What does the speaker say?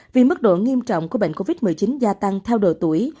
vì mức độ nghiêm trọng của bệnh covid một mươi chín gia tăng theo độ tuổi